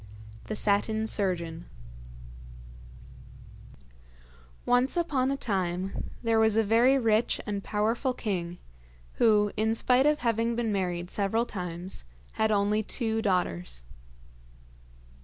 THE SATIN SURGEON Once upon a time there was a very rich and powerful king who, in spite of having been married several times, had only two daughters.